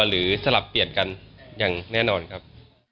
สลับเปลี่ยนกันอย่างแน่นอนครับ